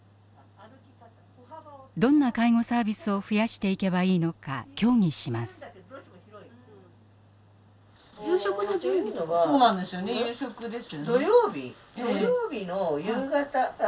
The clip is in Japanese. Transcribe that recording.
どんな介護サービスを増やしていけばいいのか協議します。